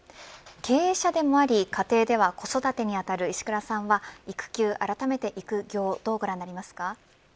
経営者でもあり家庭では子育てにあたる石倉さんは育休あらためて育業どうご覧になりますか。